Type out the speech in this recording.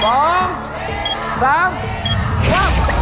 หมายเลข๒ครับ